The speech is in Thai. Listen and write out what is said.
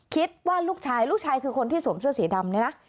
คิดว่าลูกชายลูกชายคือคนที่สวมเสื้อสีดำเนี่ยนะ